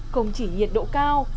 không chỉ nhiệt độ cao